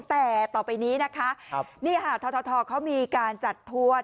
แต่ต่อไปนี้นะคะนี่ค่ะททเขามีการจัดทัวร์